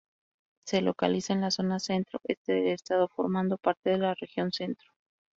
Se localiza en la zona centro-este del estado formando parte de la región Centro.